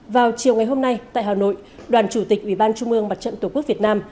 vào chiều ngày hôm nay tại hà nội đoàn chủ tịch ủy ban trung mương mặt trận tổ quốc việt nam